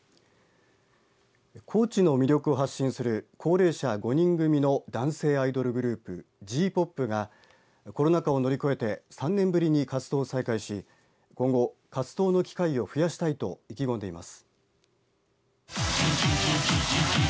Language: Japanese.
高知の魅力を発信する高齢者５人組の男性アイドルグループ爺‐ＰＯＰがコロナ禍を乗り越えて３年ぶりに活動を再開し今後、活動の機会を増やしたいと意気込んでいます。